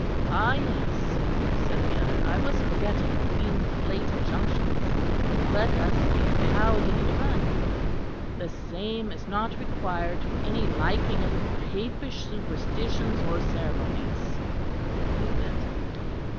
"Ah yes," said the other, "I was forgetting the Queen's late injunctions. Let us see; how did it run? 'The same is not required for any liking of Papish Superstitions or Ceremonies (is it?)